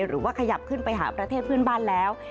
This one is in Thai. หรือว่าขยับขึ้นไปหาประเทศพื้นบ้านแล้ว